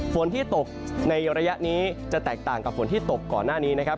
ฝนที่ตกในระยะนี้จะแตกต่างกับฝนที่ตกก่อนหน้านี้นะครับ